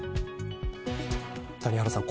谷原さん